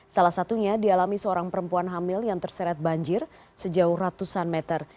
salah satunya dialami seorang perempuan hamil yang terseret banjir sejauh ratusan meter